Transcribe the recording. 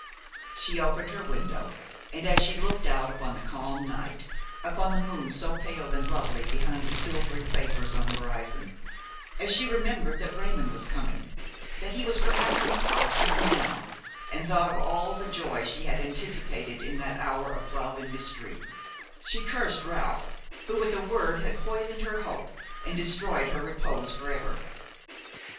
She opened her window, and, as she looked out upon the calm night, upon the moon so pale and lovely behind the silvery vapors on the horizon, as she remembered that Raymon was coming, that he was perhaps in the park even now, and thought of all the joy she had anticipated in that hour of love and mystery, she cursed Ralph who with a word had poisoned her hope and destroyed her repose forever.